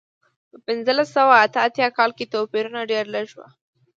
په پنځلس سوه اته اتیا کال کې توپیرونه ډېر لږ و.